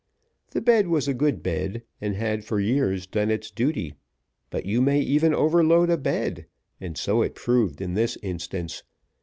The bed was a good bed, and had for years done its duty; but you may even overload a bed, and so it proved in this instance.